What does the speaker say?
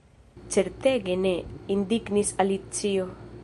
"Certege ne!" indignis Alicio.